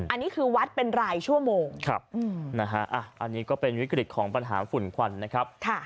อันนี้คือวัดเป็นรายชั่วโมงอันนี้ก็เป็นวิกฤตของปัญหาฝุ่นควันนะครับ